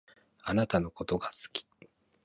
あなたのことが好き